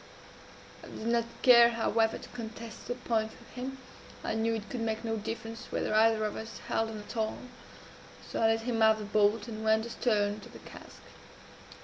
I did not care, however, to contest the point with him. I knew it could make no diference whether either of us held on at all; so I let him have the bolt, and went astern to the cask.